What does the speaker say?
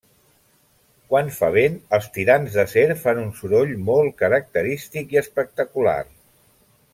Quan fa vent els tirants d'acer fan un soroll molt característic i espectacular.